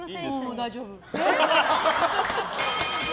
大丈夫。